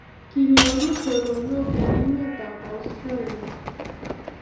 Kinyoru choronok eng emetab Australia